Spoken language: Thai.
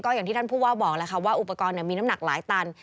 อย่างที่ท่านผู้ว่าบอกแล้วค่ะว่าอุปกรณ์มีน้ำหนักหลายตัน